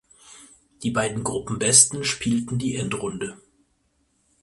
Die beiden Gruppenbesten spielten die Endrunde.